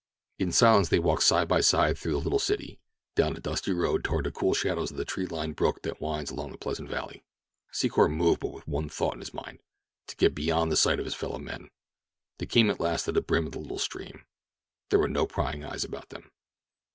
In silence they walked side by side through the little city, down the dusty road toward the cool shadows of the tree bowered brook that winds along that pleasant valley. Secor moved but with one thought in his mind—to get beyond the sight of his fellow men. They came at last to the brim of the little stream. There were no prying eyes about them.